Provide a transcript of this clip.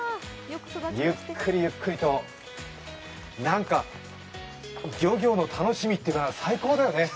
ゆっくりゆっくりと、なんか漁業の楽しみというのは最高だよね。